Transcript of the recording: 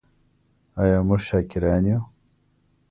آیا موږ شاکران یو؟